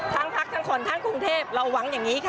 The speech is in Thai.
พักทั้งคนทั้งกรุงเทพเราหวังอย่างนี้ค่ะ